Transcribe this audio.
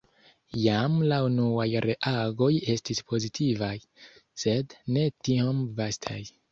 Jam la unuaj reagoj estis pozitivaj, sed ne tiom vastaj.